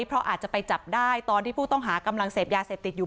เพราะอาจจะไปจับได้ตอนที่ผู้ต้องหากำลังเสพยาเสพติดอยู่